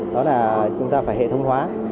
đó là chúng ta phải hệ thống hóa